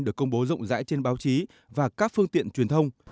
được công bố rộng rãi trên báo chí và các phương tiện truyền thông